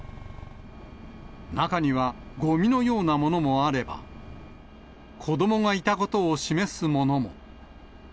中には、ごみのようなものもあれば、子どもがいたことを示すものも。